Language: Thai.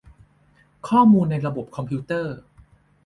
ข้อมูลในระบบคอมพิวเตอร์